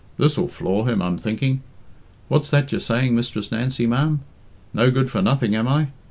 This'll floor him, I'm thinking. What's that you're saying, Mistress Nancy, ma'am? No good for nothing, am I?